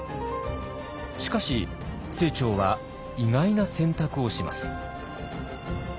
しかし清張は意外な選択をします。